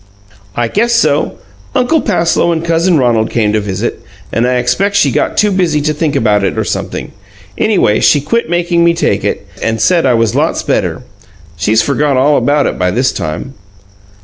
"I guess so. Uncle Passloe and cousin Ronald came to visit, and I expect she got too busy to think about it, or sumpthing. Anyway, she quit makin' me take it, and said I was lots better. She's forgot all about it by this time."